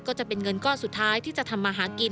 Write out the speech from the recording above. ก็จะเป็นเงินก้อนสุดท้ายที่จะทำมาหากิน